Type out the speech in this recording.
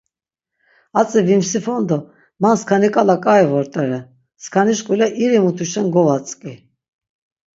Atzi vimsifon do man skani k̆ala k̆ai vort̆ere. Skaniş k̆ule iri mutuşen govatzk̆i.